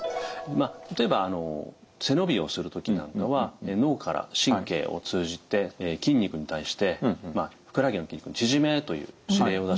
例えば背伸びをする時なんかは脳から神経を通じて筋肉に対してまあふくらはぎの筋肉に縮めという指令を出します。